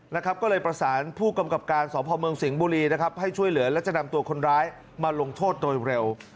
นะครับก็เลยประสานผู้กำกับการสพเมืองสิงห์บุรีนะครับให้ช่วยเหลือและจะนำตัวคนร้ายมาลงโทษโดยเร็ว